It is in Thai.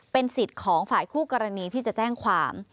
เป็นสิทธิ์ของฝ่ายคู่กรณีที่จะแจ้งความ